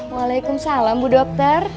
waalaikumsalam bu dokter